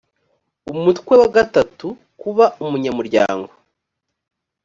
umutwe wa gatatukuba umunyamuryango